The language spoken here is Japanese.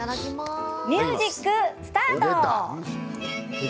ミュージックスタート。